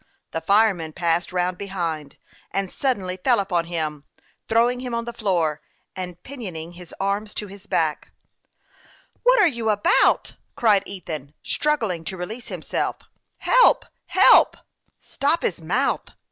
The fireman passed round behind, and suddenly fell upon him, throwing him on the floor, and pinioning his arms to his back. " What are you about ?" cried Ethan, struggling to release himself. " Help ! help !" 284 HASTE AND WASTE, OR " Stop his mouth !